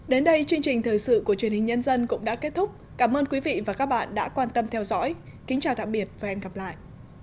đến đây chương trình thời sự của truyền hình nhân dân cũng đã kết thúc cảm ơn quý vị và các bạn đã quan tâm theo dõi kính chào tạm biệt và hẹn gặp lại